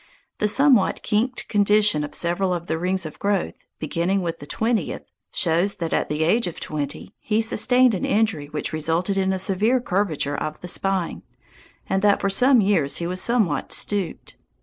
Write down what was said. The somewhat kinked condition of several of the rings of growth, beginning with the twentieth, shows that at the age of twenty he sustained an injury which resulted in a severe curvature of the spine, and that for some years he was somewhat stooped.